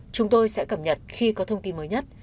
chúng tôi sẽ cập nhật khi có thông tin mới nhất